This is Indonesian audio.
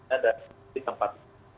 ada di tempat